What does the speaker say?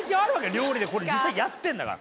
料理でこれ実際やってるんだから。